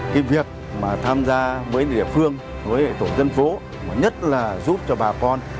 cái việc mà tham gia với địa phương với tổ dân phố mà nhất là giúp cho bà con